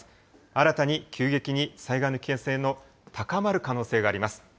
新たに、急激に、災害の危険性の高まる可能性があります。